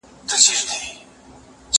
ځواب د زده کوونکي له خوا ليکل کيږي!.